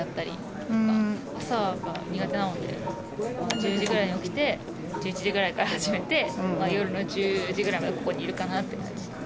１０時ぐらいに起きて１１時ぐらいから始めて夜の１０時ぐらいまでここにいるかなって感じです。